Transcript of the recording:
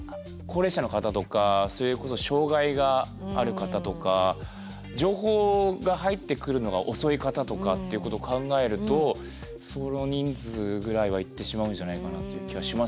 高齢者の方とかそれこそ障害がある方とか情報が入ってくるのが遅い方とかっていうことを考えるとその人数ぐらいはいってしまうんじゃないかなっていう気はしますけれども。